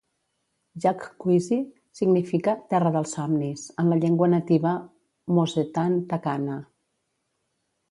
"Jacj Cuisi" significa "terra dels somnis" en la llengua nativa mosetan tacana.